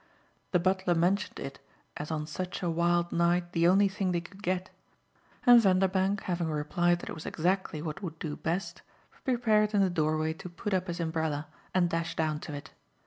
The butler mentioned it as on such a wild night the only thing they could get, and Vanderbank, having replied that it was exactly what would do best, prepared in the doorway to put up his umbrella and dash down to it.